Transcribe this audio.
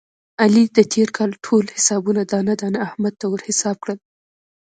علي د تېر کال ټول حسابونه دانه دانه احمد ته ور حساب کړل.